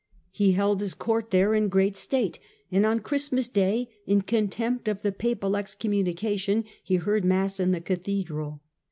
He held his Court there in great state, and on Christmas Day, in contempt of the Papal excommuni cation, he heard Mass in the Cathedral.